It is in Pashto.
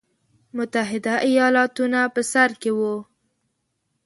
متحده ایالتونه په سر کې وو.